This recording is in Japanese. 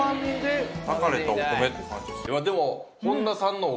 でも。